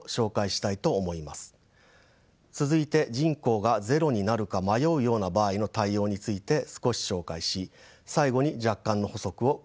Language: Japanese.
続いて人口がゼロになるか迷うような場合の対応について少し紹介し最後に若干の補足を加えます。